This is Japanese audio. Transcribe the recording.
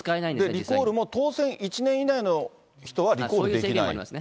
リコールも当選１年以内の人はリコールできない。